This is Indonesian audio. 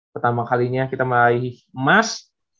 pertama kalinya kita meraih emas